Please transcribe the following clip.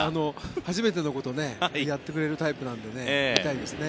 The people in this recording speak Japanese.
初めてのことをやってくれるタイプなので見たいですね。